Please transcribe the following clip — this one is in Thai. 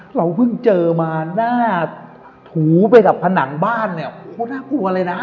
เราเพิ่งเจอมาหน้าถูไปกับผนังบ้านเนี่ยโอ้น่ากลัวเลยนะ